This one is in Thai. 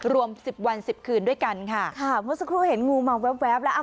รวมสิบวันสิบคืนด้วยกันค่ะค่ะทุกคนเห็นงูมาแว๊บแว๊บแล้ว